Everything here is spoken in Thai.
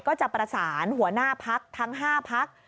ก็จะประสานหัวหน้าพักทั้ง๕พัก